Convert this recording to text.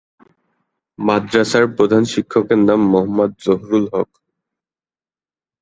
মাদ্রাসার প্রধান শিক্ষকের নাম মোহাম্মদ জহুরুল হক।